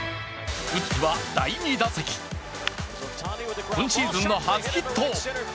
打っては第２打席、今シーズンの初ヒット。